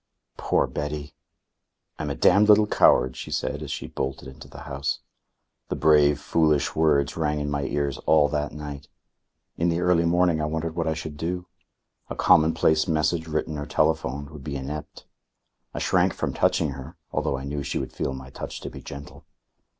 Poor Betty! "I'm a damned little coward," she said, as she bolted into the house. The brave, foolish words rang in my ears all that night. In the early morning I wondered what I should do. A commonplace message, written or telephoned, would be inept. I shrank from touching her, although I knew she would feel my touch to be gentle.